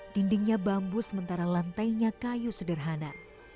dindingnya bambu sementara lantainya kayu sederhana